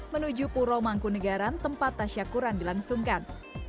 menuju purwomangkunikara tempat tasyakuran dilangsungkan